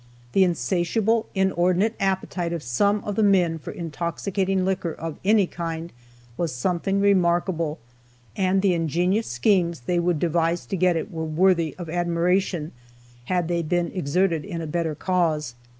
The insatiable, inordinate appetite of some of the men for intoxicating liquor, of any kind, was something remarkable, and the ingenious schemes they would devise to get it were worthy of admiration, had they been exerted in a better cause.